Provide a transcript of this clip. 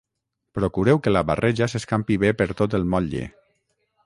Procureu que la barreja s'escampi bé per tot el motlle